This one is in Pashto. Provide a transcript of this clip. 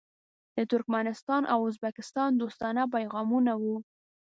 د ترکمنستان او ازبکستان دوستانه پیغامونه وو.